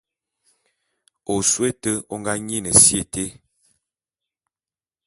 Osôé ôte ô ngá nyin si été.